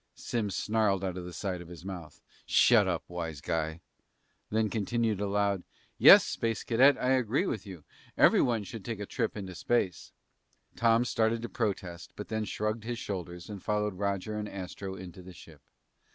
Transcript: Simms snarled out of the side of his mouth, "Shut up, wise guy!" And then continued aloud, "Yes, Space Cadet, I agree with you. Everyone should take a trip into space." Tom started to protest, but then shrugged his shoulders and followed Roger and Astro into the ship.